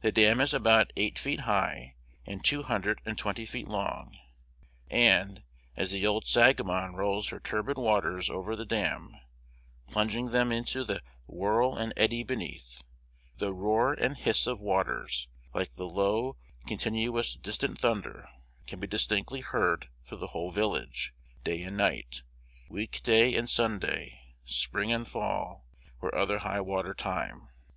The dam is about eight feet high, and two hundred and twenty feet long, and, as the old Sangamon rolls her turbid waters over the dam, plunging them into the whirl and eddy beneath, the roar and hiss of waters, like the low, continuous, distant thunder, can be distinctly heard through the whole village, day and night, week day and Sunday, spring and fall, or other high water time.